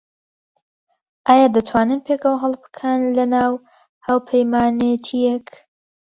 ئایا دەتوانن پێکەوە هەڵبکەن لەناو هاوپەیمانێتییەک؟